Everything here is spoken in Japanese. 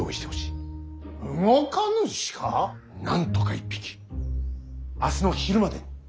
なんとか１匹明日の昼までに。